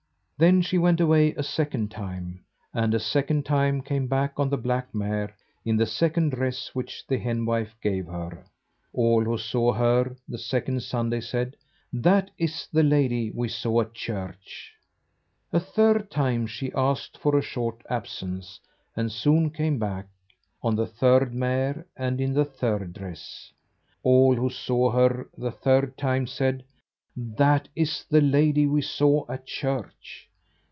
Then she went away a second time, and a second time came back on the black mare in the second dress which the henwife gave her. All who saw her the second Sunday said: "That is the lady we saw at church." A third time she asked for a short absence, and soon came back on the third mare and in the third dress. All who saw her the third time said: "That is the lady we saw at church."